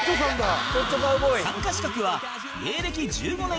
参加資格は芸歴１５年以上